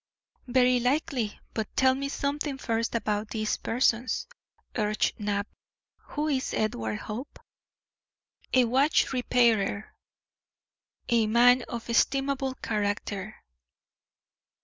"Very likely, but tell me something first about these persons," urged Knapp. "Who is Edward Hope?" "A watch repairer; a man of estimable character."